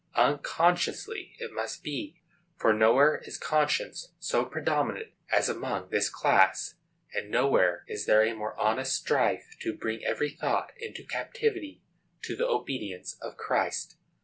Unconsciously it must be, for nowhere is conscience so predominant as among this class, and nowhere is there a more honest strife to bring every thought into captivity to the obedience of Christ.